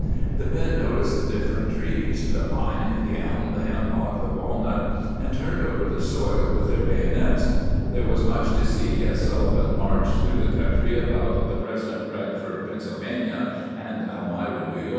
The men noticed the different trees, the pine, the elm, the hemlock, the walnut, and turned over the soil with their bayonets.^ There was much to see as Sullivan marched through the country about the present Bradford, Penn., and Elmira, N. Y.